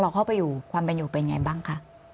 เราเข้าไปความเป็นอยู่เป็นอย่างไรบ้างคะ